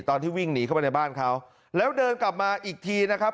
ตอนที่วิ่งหนีเข้าไปในบ้านเขาแล้วเดินกลับมาอีกทีนะครับ